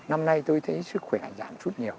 năm nay tôi thấy sức khỏe giảm sút nhiều